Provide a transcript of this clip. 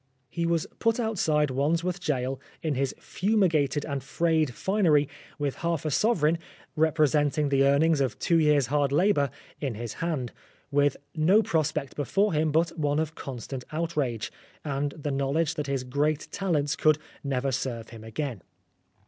He was put outside Wandsworth Gaol in his fumigated and frayed finery, with half a sovereign representing the earnings of two years' hard labour in his hand, with no prospect before him but one of constant out 220 Oscar Wilde * rage, and the knowledge that his great talents could never serve him again.